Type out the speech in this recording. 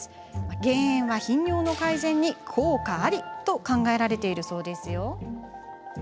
減塩は頻尿の改善に効果ありと考えられているそうですよ。